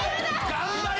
頑張れ！